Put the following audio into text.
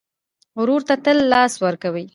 ورور ته تل لاس ورکوې.